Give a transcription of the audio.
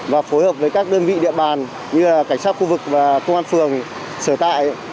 và phối hợp với các đơn vị địa bàn như cảnh sát khu vực và công an phường sở tại